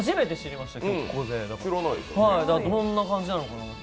だからどんな感じなのかなと。